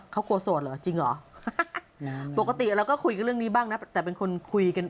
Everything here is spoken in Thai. เขากลัวโสดเหรอจริงเหรอปกติเราก็คุยกันเรื่องนี้บ้างนะแต่เป็นคนคุยกัน